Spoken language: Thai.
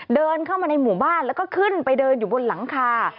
เดินเข้ามาในหมู่บ้านแล้วก็ขึ้นไปเดินอยู่บนหลังคา